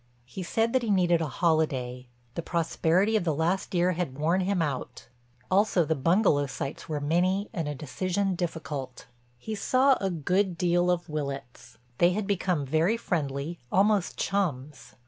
He said that he needed a holiday, the prosperity of the last year had worn him out, also the bungalow sites were many and a decision difficult. He saw a good deal of Willitts; they had become very friendly, almost chums.